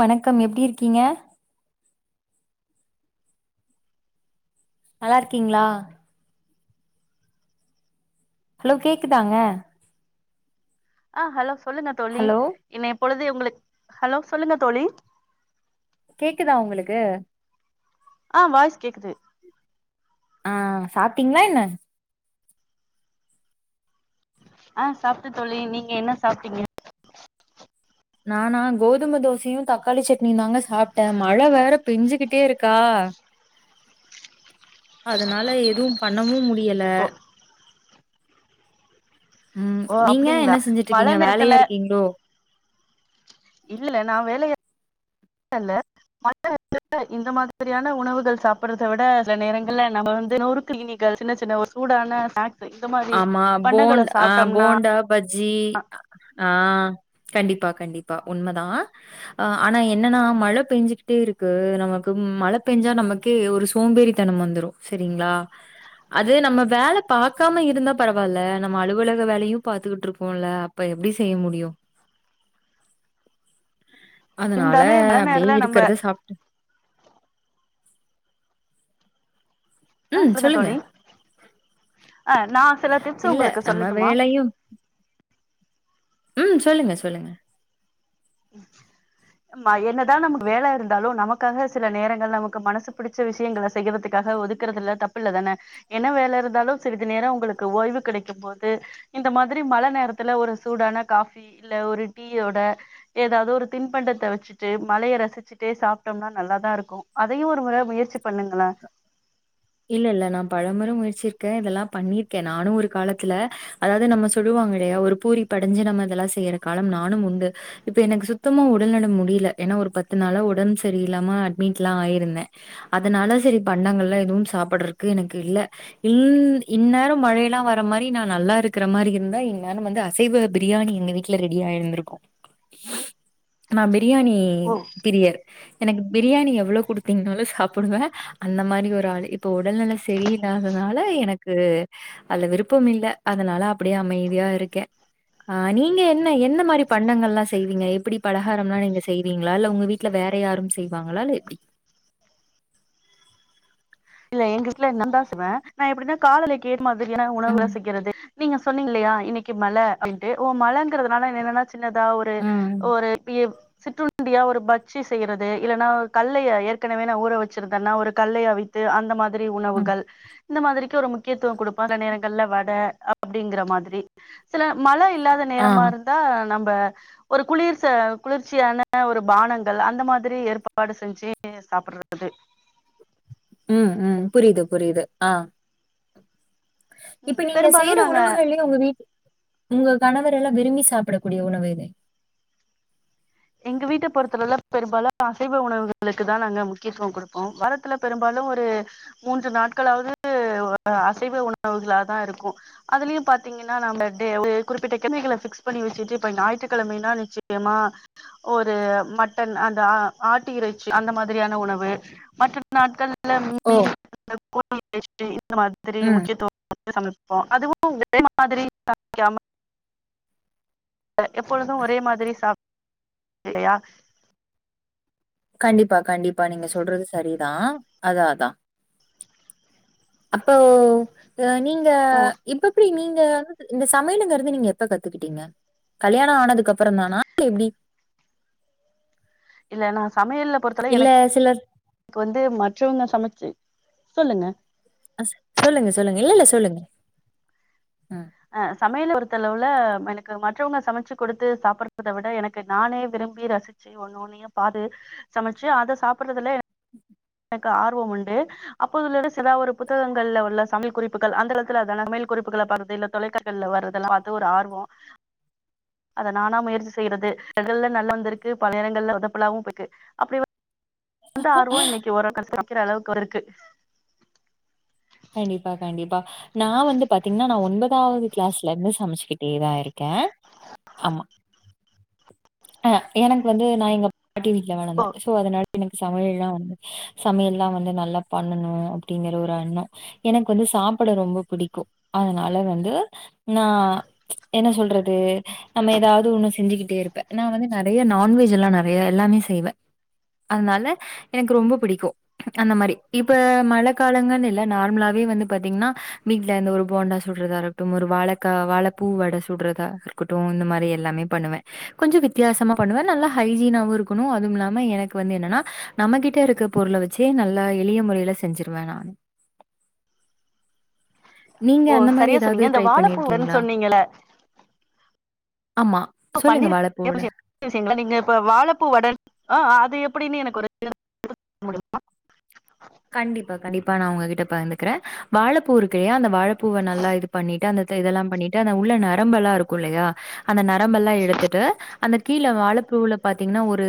வணக்கம் எப்டி இருக்கீங்க நல்லா இருக்கீங்ளா ஹலோ கேக்குதாங்க ஆ ஹலோ சொல்லுங்க தோழி ஹலோ இன்னய பொழுது உங்குளுக் ஹலோ சொல்லுங்க தோழி கேக்குதா உங்குளுக்கு ஆ வாய்ஸ் கேக்குது ஆ சாப்டீங்ளா என்ன ஆ சாப்ட தோழி நீங்க என்ன சாப்டீங்க நானா கோதும தோசையு தக்காளி சட்னியு தாங்க சாப்டே மழ வேற பெஞ்சிகிட்டே இருக்கா அதனால எதுவு பண்ணவும் முடியல ஓ உம் ஓ நீங்க அப்டிங்களா என்ன செஞ்சுட்டு மழ இருக்கீங்க நேரத்துல வேலையா இருக்கீங்ளோ இல்லல்ல நா வேலையால்ல மழ [unintelligible] இந்த மாதிரியான உணவுகள் சாப்புறத விட சில நேரங்கள்ல நம்ம வந்து நொரு கிளினிகள் சின்ன சின்ன ஒரு சூடான ஸ்நாக்ஸ் இந்த மாறி ஆமா பண்டங்கள போண் ஆ சாப்டோம்னா போண்டா பஜ்ஜி ஆ கண்டிப்பா கண்டிப்பா உண்மதா அ ஆனா என்னன்னா மழ பேஞ்சிக்கிட்டே இருக்கு நமக்கு மழ பெஞ்சா நமக் கே ஒரு சோம்பேறித்தனம் வந்துரும் சேரிங்களா அது நம்ம வேல பாக் க்காம இருந்தா பரவாயில்ல நம்ம அலுவலக வேலையு பாத்துக்கிட்டு இருக்கோல அப்ப எப்புடி செய்ய முடியு அதனால இருந்தாலுமே மழ அப்டியே நேரல நம்ம இருக்கிறத சாப் ஆ சொல்லுங்க தோழி அ நா சில டிப்ஸு இல்ல உங்குளுக்கு நம்ம சொல்லட்டுமா வேலையு ம் சொல்லுங்க சொல்லுங்க ம் என்னதா நமக்கு வேல இருந்தாலு நமக்காக சில நேரங்கள் நமக்கு மனசுக்கு பிடிச்ச விஷயங்கள செய்யறதுக்காக ஒதுக் குறதுல தப்பில்ல தான என்ன வேல இருந்தாலு சிறிது நேரோ உங்குளுக்கு ஓய்வு கெடைக்கும் போது இந்த மாதிரி மழ நேரத்துல ஒரு சூடான காஃபி இல்ல ஒரு டீயோட ஏதாவது ஒரு தின்பண்டத்த வெச்சுட்டு மழைய ரசிச்சுட்டே சாப்ட்டோம்னா நல்லாதா இருக்கோ அதையு ஒரு முற முயற்சி பண்ணுங்களே இல்ல இல்ல நா பலமுர முயற்சிருக்கே இதெல்லா பண்ணியிருக்கே நானு ஒரு காலத்துல அதாவது நம்ம சொல்லுவாங்க இல்லயா ஒரு பூரிப்படைஞ்சு நம்ம இதெல்லா செய்யுற காலம் நானும் உண்டு இப்ப எனக்கு சுத்தமா உடல் நலம் முடியுல ஏன்னா ஒரு பத்து நாளா உடும்பு செரியில்ல்லாம அட்மிட்லா ஆயிருந்தே அதனால செரி பண்டங்கள்லா எதுவும் சாப்படுறக்கு எனக்கு இல்ல இந் இந்நேரோ மழையெல்லா வர மாரி நா நல்லா இருக்குற மாரி இருந்தா இந்நேரோ வந்து அசைவ பிரியாணி எங்க வீட் ல ரெடி ஆயி இருந்திருக்கோ நா பிரியாணி ஓ பிரியர் எனக்கு பிரியாணி எவ்வளோ குடுத்தீங்கனாலு சாப்புடுவே அந்த மாரி ஒரு ஆளு இப்போ உடல் நெல சரியில்லாதனால எனக்கு அதுல விருப்பம் இல்ல அதனால அப்டியே அமைதியா இருக்கே ஆ நீங்க என்ன என்ன மாரி பண்டங்கள்லா செய்வீங்க எப்புடி பலகாரம்லா நீங்க செய்வீங்களா இல்ல உங்க வீட் ல வேற யாரும் செய்வாங்களா இல்ல எப்டி இல்ல எங்க வீட்ல நாந்தா செய்வே நா எப்படீனா காதுல கேக்கு மாதிரியான உணவுகல ம், செய்யறது நீங்க சொன்னீங்கலையா இன்னிக்கி மழை அப்டீன்ட்டு ஓ மழைங்கிறதுனால என்னன்னா சின்னதா ஒரு ம், ஒரு பி எம் சிற்றுண்டியா ஒரு பஜ்ஜி செய்யறது இல்லன்னா கல்லய ஏற்கனவே நா ஊற வெச்சிருதுன்னா ஒரு கல்லய அவி றது அந்த மாதிரி ம். உணவுகள் இந்த மாதிரிக்கு ஒரு முக்கியத்துவம் குடுப்போ அந்த நேரங்கள்ல வட அப்டீங்கிற மாதிரி சில மழை இல்லாத ஆ. நேரமா இருந் இதா நம்ப ஒரு குளிர் குளிர்ச்சியான ஒரு பானங்கள் அந்த மாதிரி ஏற்பாடு செஞ்சு சாப்பிடுறது உம் உம் புரியுது புரியுது ஆ இப்ப நீங்க பெரும்பாலு செய்யுற நாங்க உணவுகள்லயே உங்க வீட் உங்க கணவரெல்லா விரும்பி சாப்புடக்கூடிய உணவு எது எங்க வீட்ட பொறுத்தளவுல பெரும்பாலோ அசைவ உணவுகளுக்குதா நாங்க முக்கியத்துவோ குடுப்போ வார த்துல பெரும்பாலு ஒரு மூன்று நாட்களாவது அசைவ உணவுகளா தா இருக்கோ அதுலயு பாத்தீங்கன்னா நம்ம டே வந்து குறிப்பிட்ட கிளை பிக்ஸ் பண்ணி வெச்சுட்டு இப்ப ஞாயிறறுக்கிழமையனா நிச்சயமா ஒரு மட்டன் அந்த ஆ ஆட்டிறைச்சி அந்த மாதிரியான உணவு மட்டன் நாட்கள்ல ஓ! மீன் வெச்ட்டு இந்த மாதிரி ம். முக்கியத்துவோ கொடுத்து சமைப்போ அதுவு ஒரே மாதிரி சமைக்காம எப்பொழுது ஒரே மாதிரி சாப் இல்லயா கண்டிப்பா கண்டிப்பா நீங்க சொல்றது சரி தா அதாதா அப்போ நீங்க ஓ இப்ப எப்டி நீங்க இந்த சமையலுங்கறது நீங்க எப்ப கத்துக்கிட்டீங்க கல்யாண ஆனதுக்கு அப்புறோ தானா இல்ல எப்டி இல்ல நா சமையல்ல பொறுத்த இல்ல சிலர் க்கு வந்து மற்றவங்க சமச்சு சொல்லுங்க ஆ சொல்லுங்க சொல்லுங்க இல்ல இல்ல சொல்லுங்க ம். ஆ சமையல் பொருத்தளவுல எனக்கு மற்றவங்க சமச்சு குடுத்து சாப்பிட்றத விட எனக்கு நானே விரும்பி ரசிச்சி சு ஒன்னு ஒன்னொயு பாத்து சமச்சு அத சாப்பட்றதுல ம் எனக்கு ஆர்வம் உண்டு அப்போது உள்ள சிலா ஒரு புத்தகங்கள்ல உள்ள சமையல் குறிப்புகள் அந்த காலத்துல அதான சமையல் குறிப்புகள் பாக்கிறது இல்ல தொலைக்காட்கில்ல வர்றதெல்லா பாத்து ஒரு ஆர்வோ அத நானா முயற்சி செய்றது சில எடங்கள்ல நல்லா வந்திருக்கு பல எடங்கள்ல செதப்பலாவு போய்ருக்கு அப்டி அந்த ஆர்வோ இன்னிக்கி ஓரளவுக்கு சமைக்கிற அளவுக்கு வந்திருக்கு கண்டிப்பா கண்டிப்பா நா வந்து பாத்தீங்கன்னா நா ஒன்பதாவது கிளாஸ்ல இருந்து சமச்சுகிட்டேதா இருக் கே ஆமா ஆ எனக்கு வந்து நா எங்க பாட்டி வீட்ல ஓ வளந்தே சோ அதனால எனக்கு சமையல் எல்லா வந்து சமையல் எல்லா வந்து நல்லா பண்ணணு அப்டிங்கற ஒரு எண்ணோ எனக்கு வந்து சாப்பிட ரொம்ப புடிக்கு அதனால வந்து நா என்ன சொல்றது நம்ம எதாவது ஒண்ணு செஞ்சுக்கிட்டே இருப்பே நா வந்து நெறைய நான்வெஜ் எல்லா நெறைய எல்லாமே செய்வே அதனால எனக்கு ரொம்ப பிடிக்கு அந்த மாரி இப்ப மழ காலங்கன்னு இல்ல நார்மலாவே வந்து பாத்தீங்கன்னா வீட்ல இருந்து ஒரு போண்டா சுட்றதா இருக்கட்டு ஒரு வாழக்கா வாழ பூ வட சுட்றதா இரு கட்டு இந்த மாறி எல்லாமே பண்ணுவே கொஞ்ச வித்தியாசமா பண்ணுவே நல்லா ஹைஜீனாவு இருக்கணு அதுவும் இல்லாம எனக்கு வந்து என்னன்னா நம்மகிட்ட இருக்க பொருள வெச்சே நல்லா எளிய முறையில செஞ்சிருவே நா நீங்க ஓ அந்த மாறி சரியா எதாவது சொன்னீங்க இந்த ட்ரை வாழப்பூ வடன்னு பண்ணிருக்கீங்களா சொன்னீங்கல்ல ஆமா சொல்லுங்க பண்ணீருக்கே வாழப்பூ வட [unintelligible] நீங்க இப்ப வாழ பூ வடனு ஆ அது எப்படின்னு எனக்கு ஒரு முடியுமா கண்டிப்பா கண்டிப்பா நா உங்ககிட்ட பகிர்ந்துக்கிறே வாழப்பூ இருக்குல்லயா அந்த வாழப்பூவ நல்லா இது பண்ணிட்டு அந்த இதெல்லா பண்ணிட்டு அந்த உள்ள நரம்பெல்லா இருக்கு இல்லயா அந்த நரம்பெல்லா எடுத்துட்டு அந்த கீழ வாழப்பூவுல பாத்தீங்கன்னா ஒரு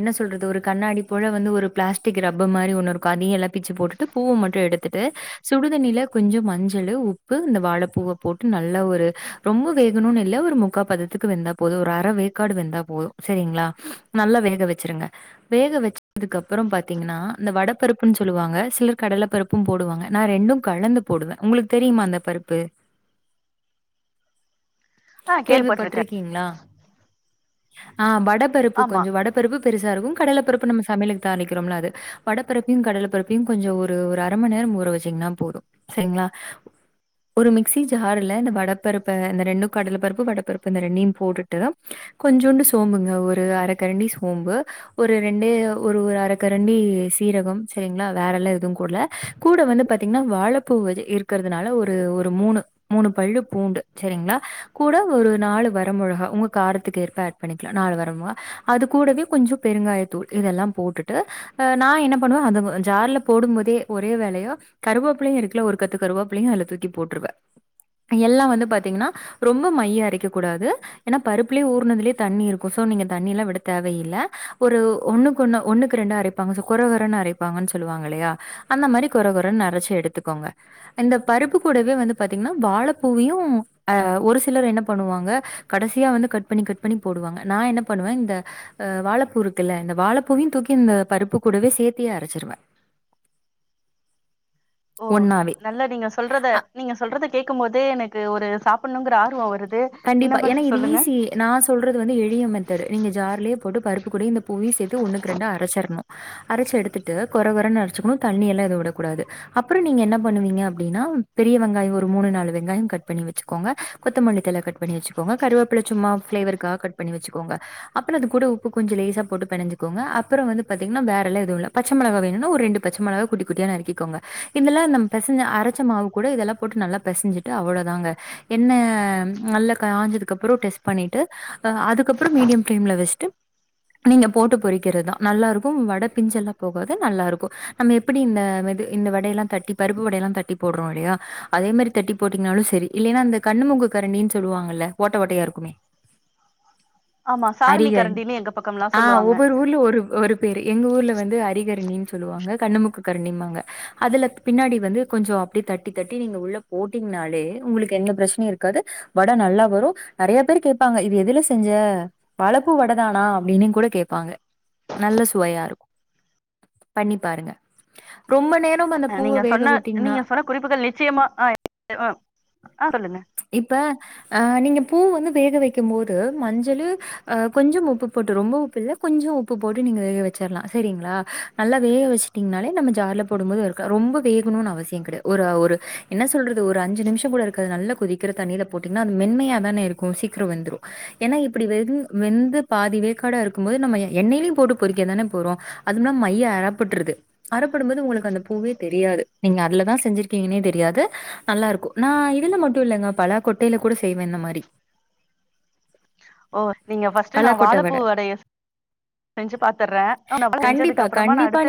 என்ன சொல்றது ஒரு கண்ணாடி போல வந்து ஒரு பிளாஸ்டிக் ரப்பு மாறி ஒன்னு இருக் கு அதையு எல்லா பிச்சு போட்டுட்டு பூவ மட்டு எடுத்துட்டு சுடுதண்ணில கொஞ்ச மஞ்சளு உப் பு இந்த வாழப்பூவ போட்டு நல்லா ஒரு ரொம்ப வேகணுனு இல்ல ஒரு முக்கா பதத்துக்கு வெந்தா போது ஒரு அர வேக்காடு வெந்தா போது செரிங்களா நல்லா வேக வெச்சிருங்க வேக வெச்சதுக்கு அப்றோ பாத்தீங்கன்னா அந்த வடப் பருப்புன்னு சொல்லுவாங்க சிலர் கடல பருப்பும் போடுவாங்க நா ரெண்டு கலந்து போடுவே உங்களுக்கு தெரியுமா அந்த பருப்பு ஆ கேள்விப்பட்டிருக்கேன் கேள்விப்பட்டிரிகீங்களா ஆ வடப் பருப்பு ஆமா கொஞ்ச வட பருப்பு பெருசா இருக்கு கடல பருப்பு நம்ம சமையலக்கு தாளிக்கிறோம்ல அது வடப் பருப்பையு கடல பருப்பையு கொஞ்சோ ஒரு ஒரு அர மண் நேரோ ஊற வெச்சிங்கன்னா போது செரிங்களா ஒரு மிக்சி ஜார்ல இந்த வடப்பருப்ப இந்த ரெண்டு கடல பருப்பு வடப்பருப்பு இந்த ரெண்டையு போட்டுட்டு கொஞ்சோண்டு சோம்புங்க ஒரு அரக்கரண்டி சோம்பு ஒரு ரெண்டே ஒரு ஒரு அர கரண்டி ஸ் சீரகம் செரிங்களா வேற எல்லா எதுவு கூடல கூட வந்து பாத்தீங்கன்னா வாழப்பூ இது இரு இருக்குறதுனால ஒரு ஒரு மூணு மூணு பள்ளு பூண்டு செரிங்களா கூட ஒரு நாலு வர மொளகா உங்க காரத்துக்கு ஏற்ப ஆட் பண்ணிக்கலா நாலு வர மொளகா அது கூடவே கொஞ்சோ பெருங்காயத்தூள் இதெல்லா போட்டுட்டு அ நா என்ன பண்ணுவே அந்த மோ ஜார்ல போடு போதே ஒரே வேலயா கருவாப்புல்லையு இருக்குல்லா ஒரு கத்து கருவாப்புல்லையு அதுல தூக்கி போட்டுருவே எல்லா வந்து பாத்தீங்கன்னா ரொம்ப மைய அரைக்க கூடாது ஏனா பருப்புலேயே ஊர்னதுலயே தண்ணி இருக்கு சோ நீங்க தண்ணி எல்லா விட தேவயில்ல ஒரு ஒண்ணுக்கு ஒன்னா ஒன்னுக்கு ரெண்டு அரைப் பாங்கனு சோ கொரகொரன்னு அரைப்பாங்கன்னு சொல்லுவாங்க இல்லையா அந்த மாரி கொரகொரனு அரச்சி எடுத்துக்கோங்க இந்த பருப்பு கூடவே வந்து பாத்தீங்கன்னா வாழப்பூவையு அ ஒரு சிலர் என்ன பண்ணுவாங்க கடசியா வந்து கட் பண்ணி கட் பண்ணி போடுவாங்க நா என்ன பண்ணுவே இந்த ஆ வாழப்பூ இருக்குல்ல இந்த வாழைப்பூவையு தூக்கி இந்த பருப் பு கூடவே சேத்தியே அரச்சிருவே ஓ ஒண்ணாவே. நல்ல நீங்க சொல்றத நீங்க சொல்றத கேட்குமபோதே எனக்கு ஒரு சாப்பிணுங்கிற ஆர்வோ வருது கண்டிப்பா இன்னும் ஏனா கொஞ்சம் இது சொல்லுங்க ஈஸி நா சொல்றது வந்து எளிய மெத்தடு நீங்க ஜார்லயே போட்டு பருப்பு கூட இந்த பூவி சேத்து ஒண்ணுக்கு ரெண்டா அரச்சு எறக்கணு அரச்சு எடுத்துட்டு கொற கொறன்னு அரச்சுக்கனு தண்ணி எல்லா எது விடக் கூடாது அப்பறோ நீங்க என்ன பண்ணுவீங்க அப்டினா பெரிய வெங்காயோ ஒரு மூணு நாலு வெங்காயோ கட் பண்ணி வச்சுக்கோங்க கொத்தமல்லி தல கட் கட் பண்ணி வச்கோங்க கருவேப்பிலை சும்மா ஃபிளேவர்க்கா கட் பண்ணிச்சுக்கோங்க அப்பறோ அது கூட உப்பு கொஞ்சோ லேசா போட்டு பெணஞ்சுக்கோங்க அப்பறோ வந்து பாத்தீங்கன்னா வேறல்ல எதுவு பச்ச மெளகா வேணுனா ஒரு ரெண்டு பச்ச மெளகா குட்டி குட்டியா நறுக்கிகோங்க இதெல்லா அந்த பெசஞ்ச அரச்ச மாவு கூட இதெல்லா போட்டு நல்லா பெசஞ்சு ட்டு அவ்ளோதாங்க என்ன நல்ல காஞ்சது அப்பற டெஸ்ட் பண்ணிட்டு அ அதுக்கப்பறோ மீடியம் ஃப்ளேம்ல வச்சுட்டு நீங்க போட்டு பொறிக்கிறதுதா நல்லா இருக்கு வட பிஞ்செல்லா போகது நல்லா இருக்கு நம்ம எப்டி இந்த மெது இந்த வடையெல்லா தட்டி பருப்பு வடையெல்லா தட்டி போடுறோ இல்லயா அதே மாரி தட்டி போட்டீங்கனாலு செரி இல்லைன்னா அந்த கண்ணுமுக்கு கரண்டின் சொ சொல்லுவாங்கல்ல ஓட்ட ஓட்டயாயிருக்குமே ஆமா சாரணி அரிக கரண்டின்னு எங்க பக்கம் எல்லாம் ஆ சொல்லுவாங்க ஒவ்வொரு ஊர்லு ஒரு ஒரு பேரு எங்க ஊர்ல வந்து அரிகரண்டின்னு சொல்லுவாங்க கண்ணு மூக்கு கரண்டிபாங்க அதுல பின்னாடி வந்து கொஞ்சோ அப்டி தட்டி தட்டி நீங்க உள்ள போட்டீங்கனாலே உங்களுக்கு எந்த பிரெச்சனயு இருக்காது வட நல்லா வரு நெறைய பேர் கேட்பாங்க இது எதுல செஞ்ச வாழப்பூ வடதானா அப்டினு கூட கேட்பாங்க நல்ல சுவையா பண்ணி பாருங்க ரொம்ப நேர் அ நீங்க சொன்ன நீங்க சொன்ன குறிப்புகள் நிச்சயமா ஆ ஆ ஆ சொல்லுங்க இப்ப அ நீங்க பூ வந்து வேக வைக்கு போது மஞ்சள்ளு அ கொஞ்சம் உப்பு போட்டு ரொம்ப உப்பு இல்ல கொஞ்சோ உப்பு போட்டு நீங்க வேக வச்சிர்லா செரிங்களா நல்லா வேக வச்சு ட்டிங்னாலே நம்ம ஜார்ல போடுபோது ஒர்க் ஆகு ரொம்ப வேகணு அவசிய கெடையாது ஒரு ஒரு என்ன சொல்றது ஒரு அஞ்சு நிமிஷ கூட இரு க்காது நல்ல கொதிக்கிற தண்ணில போட்டீங்கன்னா அது மென்மையா தான இருக்கு சீக்கிர வெந்துரு ஏனா இப்டி வெந் வெந்து பாதி வேக்காடா இருக்கு போது நம்ம எ எண்ணெயிலையு போட்டு பொறிக்க தான போறோ அதுமுலா மையா அரப்பட்டுறுது அரப்படுபோது உங்களுக்கு அந்த பூவே தெரியாது நீங்க அதுலதா செஞ்சிருக்கீங்கன்னே தெரியாது நல்லா இருக்கு நா இதுல மட்டு இல்லங்க பல கொட்டையில கூட செய்வே இந்த மாரி ஓ நீங்க ஃபர்ஸ்ட் நா பலாக்கொட்ட வாழைப்பூ வட. வடைய செஞ்சு பாத்துறே அ நா பூ கண்டிப்பா, செஞ்சதுக்கப்றமா நா கண்டிப்பா அடுத்து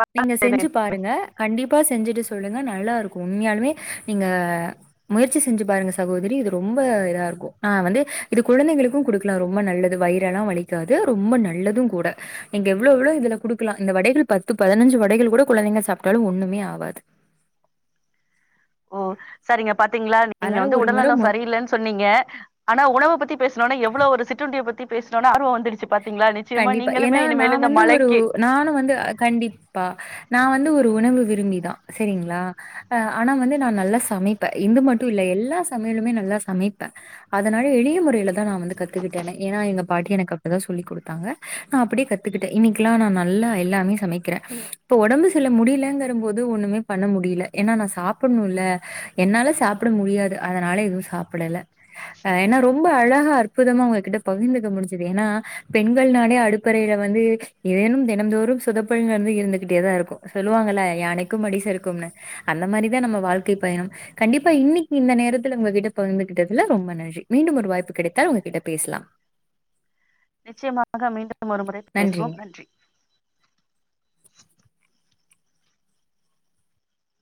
பலா கொட்டைல ட்டுங்க கண்டிப்பா செஞ்சுட்டு சொல்லுங்க நல்லா இருக்கு உண்மையாலுமே நீங்க ச்சு செஞ்சு பாருங்க சகோதரி இது ரொம்ப இதா இருக்கு நா வந்து இது குழந்தைகளுக்கு குடுக்லா ரொம்ப நல்லது வயிரெல்லா வலிக் காது ரொம்ப நல்லது கூட நீங்க எவ்ளோ எவ்ளோ இதுல குடுக்லா இந்த வடைகள் பத்து பதினஞ்சு வடைகள் கூட குழந்தைங்க சாப்ட்டாலு ஒன்னுமே ஆவாது ஓ சரிங்க பாத்தீங்ளா நீங்க அதனால வந்து ஒரு முறை உடல்நலோ முயற் சரியில்லன் சொன்னீங்க ஆனா உணவ பத்தி பேச்னோன எவ்ளோ ஒரு சிற்றுண்டிய பத்தி பேச்னோன ஆர்வோ வந்துடுச்சு பாத்தீங்களா நிச்சயமா நீங்களுமே இனிமேல் இந்த மழைக்கி நானு வந்து அ கண்டிப்பா நா வந்து ஒரு உணவு விரும்பிதா சேரிங்ளா ஆ ஆனா வந்து நா நல்லா சமைப்பே இந்து மட்டு இல்ல எல்லா சமையலுமே நல்லா சமைப்பே அதனால எளிய முறையில தா நா வந்து கத்துக்கிட்டேனே ஏன்னா எங்க பாட்டி எனக்கு அப் டிதா சொல்லி குடுத்தாங்க நா அப்டியே கத்துக்கிட்டே இன்னைக்ல்லா நா நல்லா எல்லாமே சமைக்றே இப்ப ஒடம்பு சில முடியலங்ற போது ஒன்னுமே பண்ண முடில ஏன்னா நா சாப்புணுல்ல என்னால சாப்ட முடியாது அதனால எதுவு சாப்புடல ஆ ஏன்னா ரொம்ப அழகா அற்புதமா உங்ககிட்ட பகிர்ந்துக்க முடிஞ்சுது ஏன்னா பெண்கள்னாளே அடுப்பறையில வந்து ஏதேனும் தினந்தோறும் சுதப்பல் வந்து இருந்துகிட்டேதா இருக்கு சொல்லுவாங்கல்ல யானைக்கும் அடி சறுக்கும்னு அந்த மாரிதா நம்ம வாழ்க்கை பயணம் கண்டிப்பா இன்னைக்கி இந்த நேரத்துல உங்க கிட்ட பகிர்ந்துகிட்டதுல ரொம்ப நன்றி மீண்டும் ஒரு வாய்ப்பு கிடைத்தால் உங்ககிட்ட பேச்லா நிச்சயமாக மீண்டும் ஒரு முறை நன்றிங்க. பேசுவோம் நன்றி